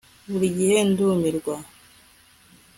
Buri gihe ndumirwa